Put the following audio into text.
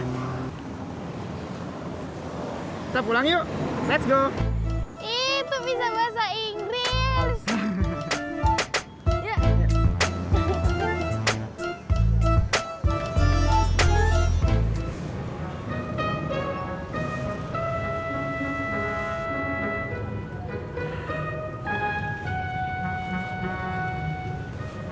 kita pulang yuk let's go itu bisa bahasa inggris